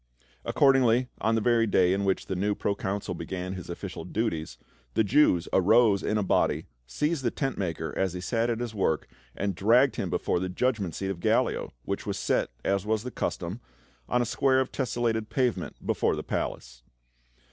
Accordingly, on the very day in which the new pro consul began his official duties, the Jews arose in a body, seized the tent maker as he sat at his work, and dragged him before the judgment seat of Gallio, which was set, as was the custom, on a square of tesselated pavement before the palace.